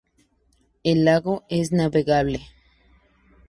El lago es navegable.